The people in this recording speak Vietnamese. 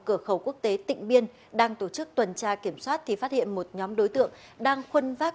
cửa khẩu quốc tế tịnh biên đang tổ chức tuần tra kiểm soát thì phát hiện một nhóm đối tượng đang khuân vác